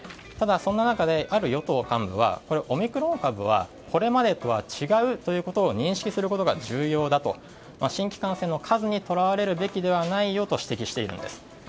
ただその中で、ある与党幹部はオミクロン株はこれまでとは違うということを認識することが重要だと新規感染の数にとらわれるべきではないよと指摘しているんです。